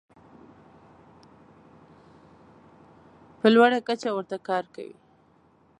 په لوړه کچه ورته کار کوي.